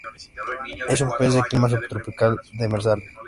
Es un pez de clima subtropical demersal.